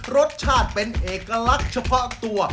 รสชาติเป็นเอกลักษณ์เฉพาะตัว